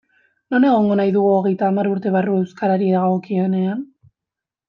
Non egon nahi dugu hogeita hamar urte barru euskarari dagokionean?